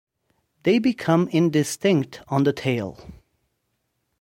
They become indistinct on the tail.